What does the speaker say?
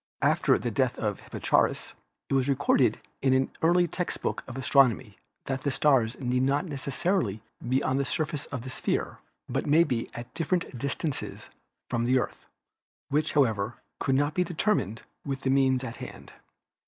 After the death of Hipparchus it was recorded in an early text book of astronomy that the stars need not necessarily be on the surface of the sphere, but may be at different distances from the Earth, which, however, could not be determined with the means at hand.